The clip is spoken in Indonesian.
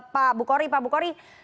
pak bukori pak bukori